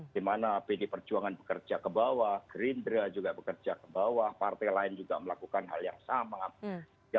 dimana pd perjuangan bekerja ke bawah gerindra juga bekerja ke bawah partai lain juga melakukan hal yang sama